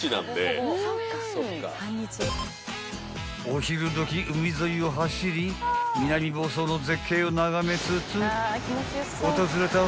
［お昼時海沿いを走り南房総の絶景を眺めつつ訪れた］